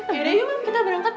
yaudah yuk kita berangkat